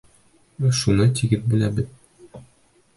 Шуны тигеҙ бүләбеҙ!